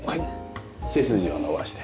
背筋を伸ばして。